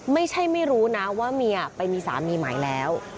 ไม่ใช่ไม่รู้นะว่าเมียอ่ะไปมีสามีหมายแล้ว